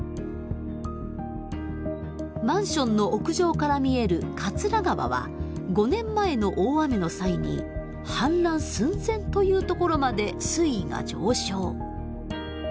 マンションの屋上から見える桂川は５年前の大雨の際に氾濫寸前というところまで水位が上昇。